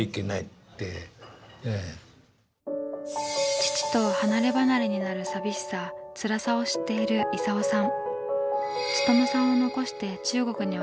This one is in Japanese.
父と離れ離れになる寂しさつらさを知っている功さん。